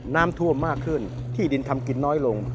น้ำท่วมมากขึ้นที่ดินทำกินน้อยลง